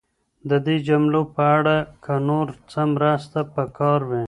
د دې جملو په اړه که نور څه مرسته پکار وي؟